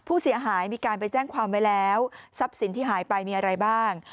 ผู้เสียหายมีการไปแจ้งความไว้แล้วทรัพย์สินที่หายไปมีอะไรบ้าง